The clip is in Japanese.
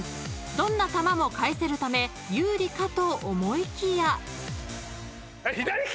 ［どんな球も返せるため有利かと思いきや］